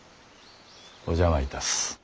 お邪魔いたす。